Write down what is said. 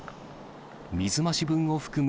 水増し分を含む